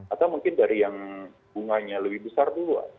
atau mungkin dari yang bunganya lebih besar dulu